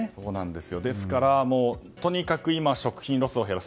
ですから、とにかく今食品ロスを減らす。